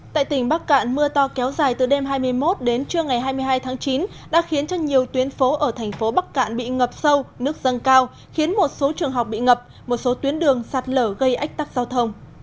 tại tỉnh bắc cạn mưa to kéo dài từ đêm hai mươi một đến trưa ngày hai mươi hai tháng chín đã khiến cho nhiều tuyến phố ở thành phố bắc cạn bị ngập sâu nước dâng cao khiến một số trường học bị ngập một số tuyến đường sạt lở gây ách tắc giao thông